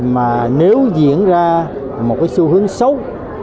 mà nếu diễn ra một sự hướng xấu